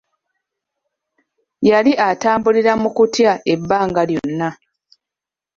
Yali atambulira mu kutya ebbanga lyonna.